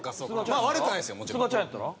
すがちゃんやったら？